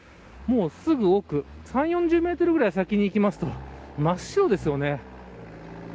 もうすぐ奥３、４メートルくらい先に来ますと真っ白ですよね。